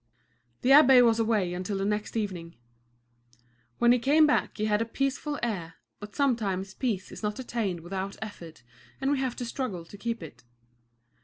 The abbé was away until the next evening. When he came back he had a peaceful air, but sometimes peace is not attained without effort and we have to struggle to keep it.